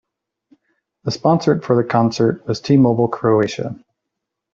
The sponsor for the concert was T-mobile Croatia.